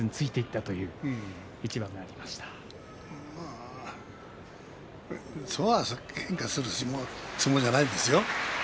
そうは変化する相撲じゃないんですよ。